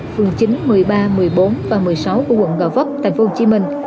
phường chín một mươi ba một mươi bốn và một mươi sáu của quận ngò vóc tp hcm